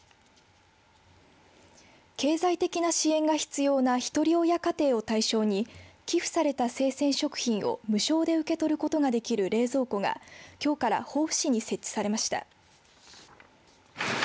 経済的な支援が必要なひとり親家庭を対象に寄付された生鮮食品を無償で受け取ることができる冷蔵庫が、きょうから防府市に設置されました。